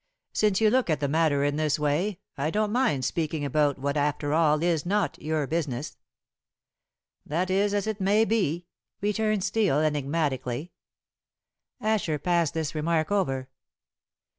Since you look at the matter in this way, I don't mind speaking about what after all is not your business." "That is as it may be," returned Steel enigmatically. Asher passed this remark over.